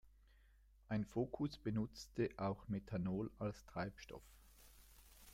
Ein Focus benutzte auch Methanol als Treibstoff.